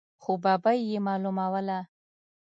خو ببۍ مې معلوموله.